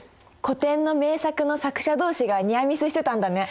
古典の名作の作者同士がニアミスしてたんだね。